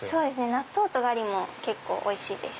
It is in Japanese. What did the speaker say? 納豆とガリも結構おいしいです。